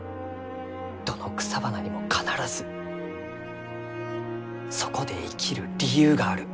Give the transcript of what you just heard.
どの草花にも必ずそこで生きる理由がある。